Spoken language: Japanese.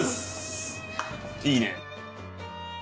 いいね。